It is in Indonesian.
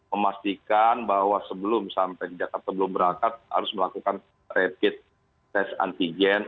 memastikan bahwa sebelum sampai di jakarta sebelum berangkat harus melakukan rapid test anti gen